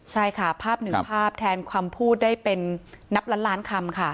ใช่ค่ะภาพหนึ่งภาพแทนคำพูดได้เป็นนับล้านล้านคำค่ะ